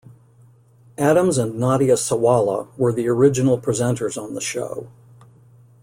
Adams and Nadia Sawalha were the original presenters on the show.